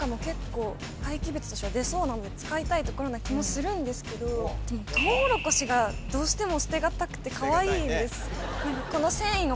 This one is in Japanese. なんで使いたいところな気もするんですけどトウモロコシがどうしても捨てがたくてかわいいんです